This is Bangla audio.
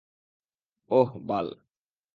ওহ, বাল।